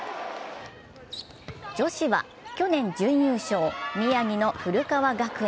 女子は、去年準優勝、宮城の古川学園。